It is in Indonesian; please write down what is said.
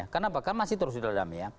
kenapa kan masih terus didalami